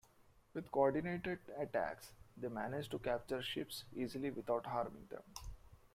With coordinated attacks, they managed to capture ships easily without harming them.